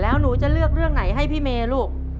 แล้วหนูจะเลือกเรื่องไหนให้พี่เมย์ลูก